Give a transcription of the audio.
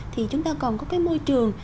thì chúng ta còn có cái môi trường